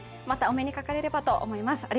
またお目にかかれればと思います。